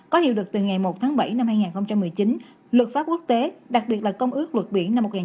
có hiệu lực từ ngày một tháng bảy năm hai nghìn một mươi chín luật pháp quốc tế đặc biệt là công ước luật biển năm một nghìn chín trăm tám mươi hai